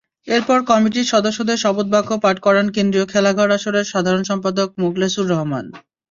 এরপর কমিটির সদস্যদের শপথবাক্য পাঠ করান কেন্দ্রীয় খেলাঘর আসরের সাধারণ সম্পাদক মোখলেছুর রহমান।